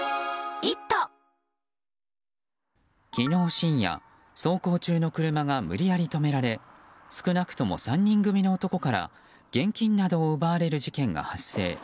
昨日深夜走行中の車が無理矢理止められ少なくとも３人組の男から現金などを奪われる事件が発生。